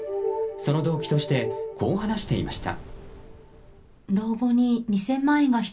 その動機としてこう話していました。